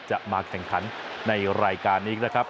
จะมาแข่งขันในรายการนี้นะครับ